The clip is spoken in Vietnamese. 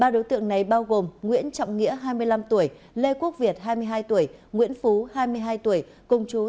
ba đối tượng này bao gồm nguyễn trọng nghĩa hai mươi năm tuổi lê quốc việt hai mươi hai tuổi nguyễn phú hai mươi hai tuổi công chú